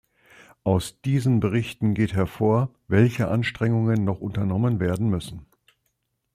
Aus diesen Berichten geht hervor, welche Anstrengungen noch unternommen werden müssen.